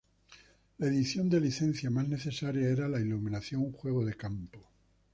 La edición de licencia más necesaria era la iluminación juego de campo.